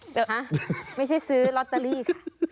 หาะไม่ใช่ซื้อล็อตเตอรี่ค่ะ